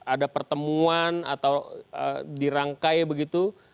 ada pertemuan atau dirangkai begitu